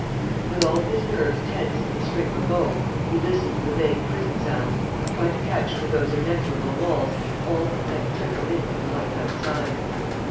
With all his nerves tense as the string of a bow, he listened to the vague prison sounds, tried to catch through those inexorable walls all that might trickle in from the life outside.